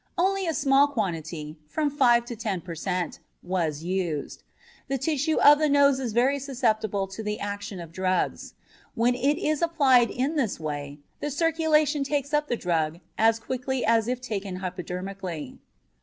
Only a small quantity from five to ten per cent. was used. The tissue of the nose is very susceptible to the action of drugs. When it is applied in this way, the circulation takes up the drug as quickly as if taken hypodermically.